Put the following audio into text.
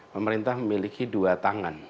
pemerintah memiliki dua tangan